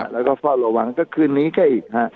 แล้วก็เฝ้าระวังก็คืนนี้แค่อีกฮะ